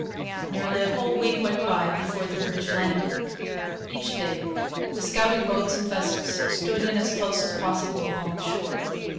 Nearly a whole week went by before the British landed. Each day the scouting boats and vessels stood in as close as possible along the shore.